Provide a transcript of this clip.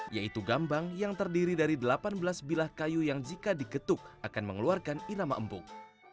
yaitu gambang yang terdiri dari delapan belas bilah kayu yang jika digetuk akan mengeluarkan irama empuk